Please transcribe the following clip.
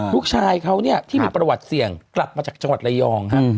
ลูกชายเขาเนี่ยที่มีประวัติเสี่ยงกลับมาจากจังหวัดระยองฮะ